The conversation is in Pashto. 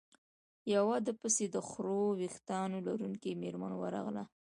په ده پسې د خړو ورېښتانو لرونکې مېرمن ورغله.